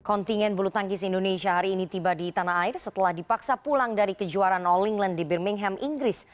kontingen bulu tangkis indonesia hari ini tiba di tanah air setelah dipaksa pulang dari kejuaraan all england di birmingham inggris